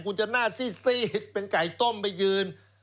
คุณจะหน้าซีดเป็นไก่ต้มไปยืน